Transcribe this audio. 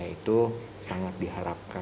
itu sangat diharapkan